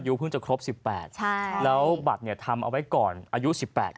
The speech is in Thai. อายุเพิ่งจะครบ๑๘แล้วบัตรทำเอาไว้ก่อนอายุ๑๘